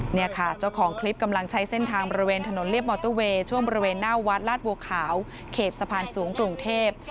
เนี่ยค่ะเจ้าของคลิปกำลังใช้เส้นทางบริเวณถนนเรียบมอเตอร์เวย์ช่วงบริเวณหน้าวัดลาดบัวขาวเขตสะพานสูงกรุงเทพ